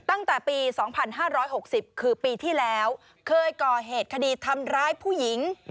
ตั้งแต่ปี๒๕๖๐คือปีที่แล้วเคยก่อเหตุคดีทำร้ายผู้หญิง